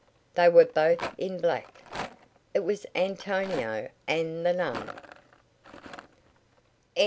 They were both in black. It was Antonio and the nun.